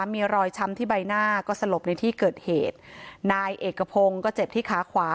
มีรอยช้ำที่ใบหน้าก็สลบในที่เกิดเหตุนายเอกพงศ์ก็เจ็บที่ขาขวา